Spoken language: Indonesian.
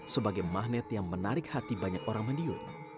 sebagai magnet yang menarik hati banyak orang madiun